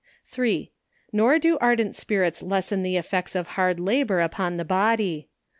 3. Nor do ardent spirits lessen the effects iof hard la bour upon the body.